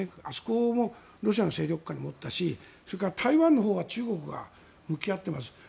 あそこもロシアの勢力下に持ったしそれから台湾のほうは中国が向き合っています。